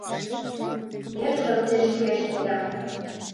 — Вержым те шке ыштеда.